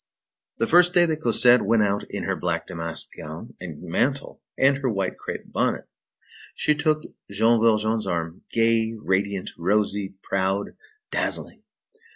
The first day that Cosette went out in her black damask gown and mantle, and her white crape bonnet, she took Jean Valjean's arm, gay, radiant, rosy, proud, dazzling.